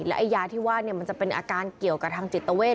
แล้วไอ้ยาที่ว่ามันจะเป็นอาการเกี่ยวกับทางจิตเวท